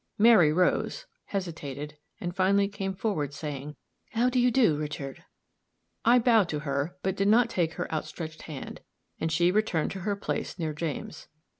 Mary rose, hesitated, and finally came forward, saying, "How do you do, Richard?" I bowed to her, but did not take her outstretched hand, and she returned to her place near James.